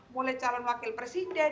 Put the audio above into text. mulai calon wakil presiden